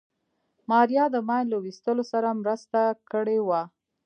ماريا د ماين له ويستلو سره مرسته کړې وه.